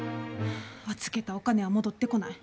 預けたお金は戻ってこない。